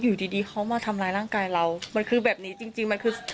อยู่ดีเขามาทำร้ายร่างกายเรามันคือแบบนี้จริง